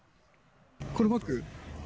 このバッグ？